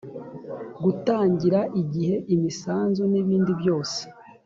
gutangira igihe imisanzu n ibindi byose